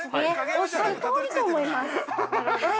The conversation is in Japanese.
おっしゃるとおりと思います。